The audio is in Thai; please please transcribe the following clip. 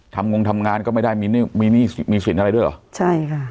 งงทำงานก็ไม่ได้มีหนี้มีสินอะไรด้วยเหรอใช่ค่ะ